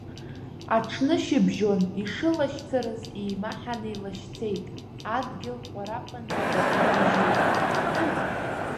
Аҽнышьыбжьон ишылашьцарыз еимаҳаны илашьцеит, адгьыл ҟәараҟәанҽеит, игьежьит.